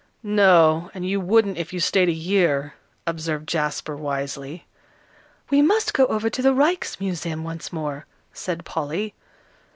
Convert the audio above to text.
"No, and you wouldn't if you stayed a year," observed Jasper, wisely. "We must go over to the Ryks Museum once more," said Polly.